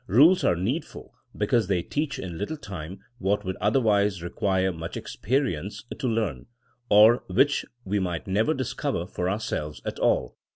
Eules are needful because they teach in little time what would otherwise require much experience to leam, or which we might never discover for our selves at all.